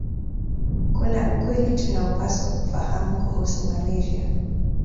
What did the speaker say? Kuna ukweli tunaopaswa kufahamu kuhusu malaria